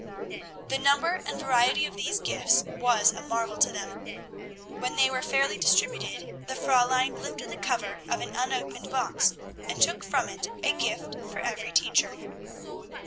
The number and variety of these gifts was a marvel to them. When they were fairly distributed, the Fräulein lifted the cover of an unopened box, and took from it a gift for every teacher.